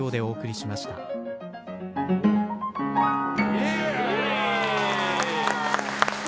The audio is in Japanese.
イエーイ！